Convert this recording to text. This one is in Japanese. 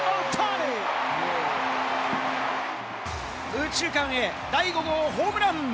右中間へ第５号ホームラン！